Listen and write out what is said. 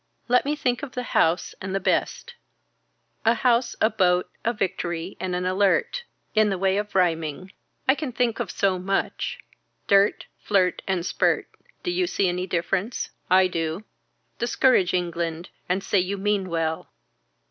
Let me think of the house and the best. A house a boat a victory and an alert. In the way of rhyming. I can think of so much. Dirt, flirt and spurt. Do you see any difference. I do. Discourage England, and say you mean well.